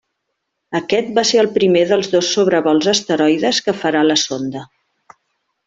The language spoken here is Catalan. Aquest va ser el primer dels dos sobrevols a asteroides que farà la sonda.